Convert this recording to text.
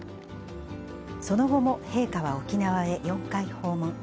その後も陛下は沖縄へ４回訪問。